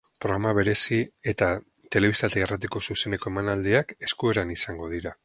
Programa berezi eta telebista eta irratiko zuzeneko emanaldiak eskueran izango dira.